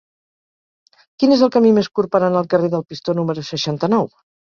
Quin és el camí més curt per anar al carrer del Pistó número seixanta-nou?